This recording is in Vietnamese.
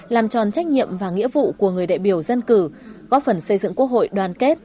làm tròn trách nhiệm và nghĩa vụ của người đại biểu dân cử góp phần xây dựng quốc hội đoàn kết